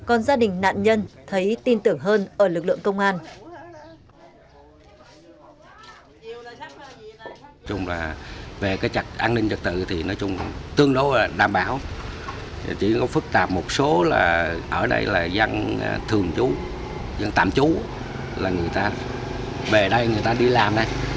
ở đây là dân thường chú dân tạm chú là người ta về đây người ta đi làm đấy